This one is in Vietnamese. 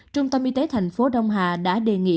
trung tâm y tế thành phố đông hà đã đề nghị